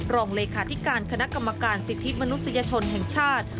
รองเลขาธิการคณะกรรมการสิทธิมนุษยชนแห่งชาติ